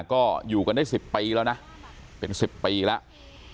ก็อยู่กันได้๑๐ปีแล้วนะเป็น๑๐ปีแล้ว